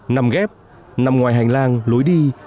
nằm ghép nằm ngoài hành lang lối đi